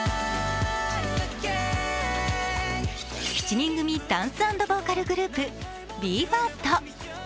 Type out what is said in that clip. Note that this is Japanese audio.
７人組ダンス＆ボーカルグループＢＥ：ＦＩＲＳＴ。